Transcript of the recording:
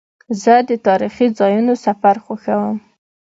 زه د تاریخي ځایونو سفر خوښوم.